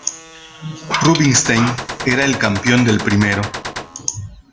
Rubinstein era el campeón del primero.